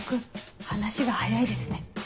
話が早いですね。